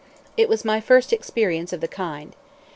It was my first experience of the kind.